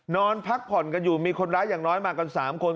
นอนพักผ่อนกันอยู่มีคนร้ายอย่างน้อยมากัน๓คน